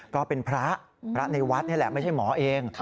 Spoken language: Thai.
ก็เป็นพระพระในวัดนี่แหละไม่ใช่หมอเอง